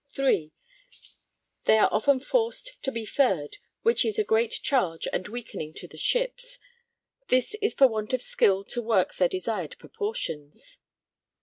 (3) They are often forced to be furred; which is a great charge and weakening to the ships; this is for want of skill to work their desired proportions.